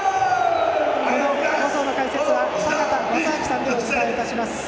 この放送の解説は坂田正彰さんとお伝えします。